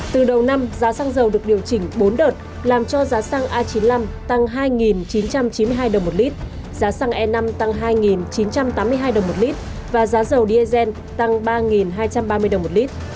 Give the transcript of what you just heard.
từ đầu năm giá xăng dầu được điều chỉnh bốn đợt làm cho giá xăng a chín mươi năm tăng hai chín trăm chín mươi hai đồng một lít giá xăng e năm tăng hai chín trăm tám mươi hai đồng một lít và giá dầu diesel tăng ba hai trăm ba mươi đồng một lít